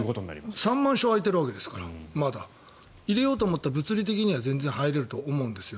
３万床まだ空いているわけですから入れようと思ったら物理的には全然入れると思うんですよ。